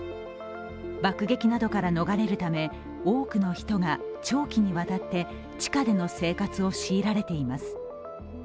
爆撃などから逃れるため多くの人が長期にわたって地下での生活を強いられています。